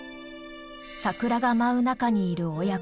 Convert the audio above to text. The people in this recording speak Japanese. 桜が舞う中にいる親子。